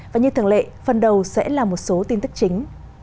và như thường lệ phần đầu sẽ là một số tin tức chính